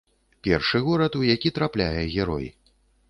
Першы горад, у які трапляе герой.